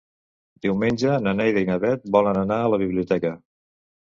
Diumenge na Neida i na Bet volen anar a la biblioteca.